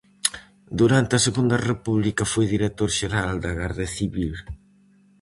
Durante a Segunda República foi director xeral da Garda Civil.